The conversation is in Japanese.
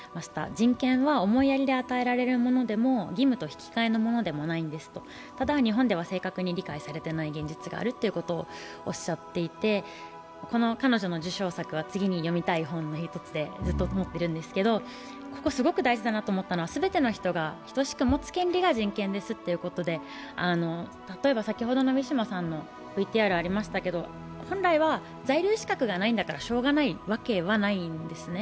人権は思いやりで与えられるものでも義務と引き換えのものでもないんですと、ただ、日本では正確に理解されていない現実があるとおっしゃっていて、彼女の受賞作は次に読みたい本の一つでずっと持っているんですけれどもここ、すごく大事だなと思ったのは全ての人が等しく持つものが人権ですということで、例えば先ほどのウィシュマさんのＶＴＲがありましたけど、本来は在留資格がないんだからしようがないわけはないんですね。